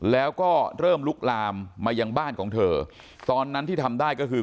แล้วก็เริ่มลุกลามมายังบ้านของเธอตอนนั้นที่ทำได้ก็คือ